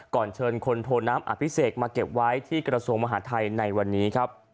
ก่อนเชิญคนโทนน้ำอาภิเศกมาเก็บไว้ที่กระทรวงมหาธัยในวันนี้